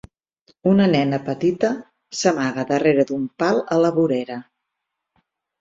Una nena petita s'amaga darrere d'un pal a la vorera.